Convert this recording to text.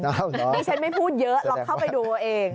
นี่ฉันไม่พูดเยอะลองเข้าไปดูเอาเอง